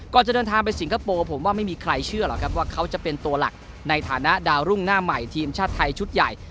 จะเดินทางไปสิงคโปร์ผมว่าไม่มีใครเชื่อหรอกครับว่าเขาจะเป็นตัวหลักในฐานะดาวรุ่งหน้าใหม่ทีมชาติไทยชุดใหญ่